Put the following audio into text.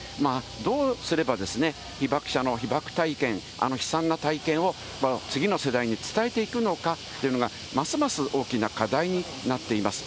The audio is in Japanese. どうすれば被爆者の被爆体験、あの悲惨な体験を次の世代に伝えていくのかっていうのが、ますます大きな課題になっています。